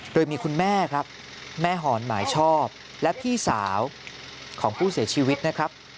โดยมีคุณแม่ครับแม่หอนหมายชอบและพี่สาวของผู้เสียชีวิตนะครับ